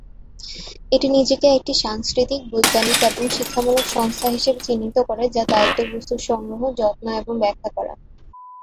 এটি নিজেকে "একটি সাংস্কৃতিক, বৈজ্ঞানিক এবং শিক্ষামূলক সংস্থা হিসাবে চিহ্নিত করে, যা দায়িত্ব বস্তুর সংগ্রহ, যত্ন এবং ব্যাখ্যা করা।"